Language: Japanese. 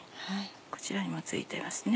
こちらにも付いていますね